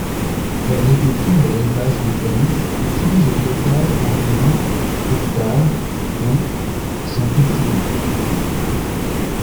L'agriculture et l'élevage britannique utilisent au total environ hectares, dont sont cultivés.